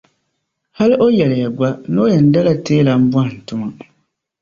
Hali o yɛliya gba ni o yɛn dala teela m-bɔhim tuma.